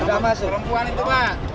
perempuan itu pak